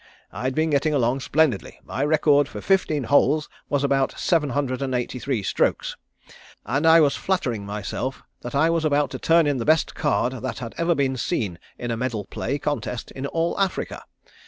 I'd been getting along splendidly. My record for fifteen holes was about seven hundred and eighty three strokes, and I was flattering myself that I was about to turn in the best card that had ever been seen in a medal play contest in all Africa.